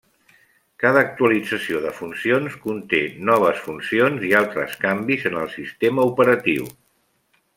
Cada actualització de funcions conté noves funcions i altres canvis en el sistema operatiu.